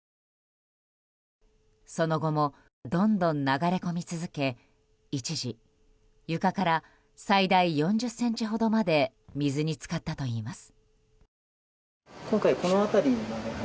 その後もどんどん流れ込み続け一時、床から最大４０ｃｍほどまで水に浸かったといいます。